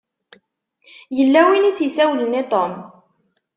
Yella win i s-isawlen i Tom.